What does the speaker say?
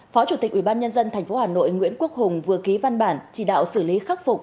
phó chủ tịch ubnd tp hà nội nguyễn quốc hùng vừa ký văn bản chỉ đạo xử lý khắc phục